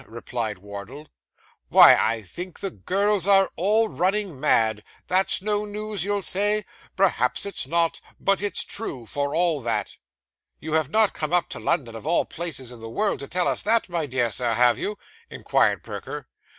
replied Wardle. 'Why, I think the girls are all running mad; that's no news, you'll say? Perhaps it's not; but it's true, for all that.' 'You have not come up to London, of all places in the world, to tell us that, my dear Sir, have you?' inquired Perker.